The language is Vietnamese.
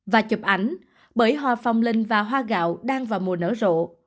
và chụp ảnh bởi hoa phong linh và hoa gạo đang vào mùa nở rộ